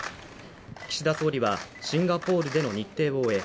岸田総理はシンガポールでの日程を終え、